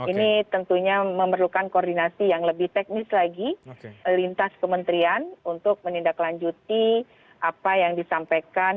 ini tentunya memerlukan koordinasi yang lebih teknis lagi lintas kementerian untuk menindaklanjuti apa yang disampaikan